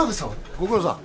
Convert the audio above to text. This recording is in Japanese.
ご苦労さん